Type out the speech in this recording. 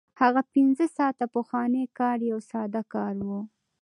هغه پنځه ساعته پخوانی کار یو ساده کار و